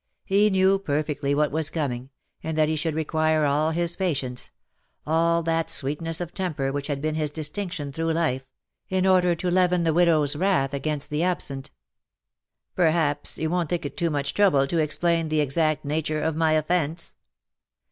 He knew perfectly what was coming, and that he should require all his patience — all that sweetness ot temper which had been his distinction through life — in order to leaven the widow^s wrath against the absent. " Perhaps, you won't think it too much trouble to explain the exact nature of my offence